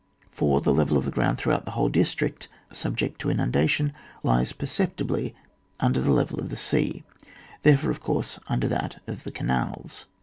4. The level of the ground throughout the whole district subject to inundation, lies perceptibly under the level of the sea, therefore, of course, under that of the canals.